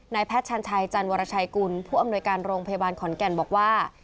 แพทย์ชันชัยจันวรชัยกุลผู้อำนวยการโรงพยาบาลขอนแก่นบอกว่า